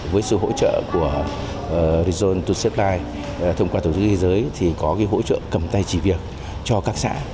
với sự hỗ trợ của rizon to supply thông qua tổ chức y tế thì có cái hỗ trợ cầm tay chỉ việc cho các xã